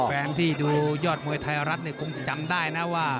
แฟนที่ดูยอดมวยไทยรัฐเนี่ยคงจำได้นะว่า